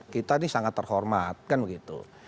kita ini sangat terhormat kan begitu